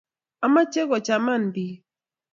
Amache kochaman biik.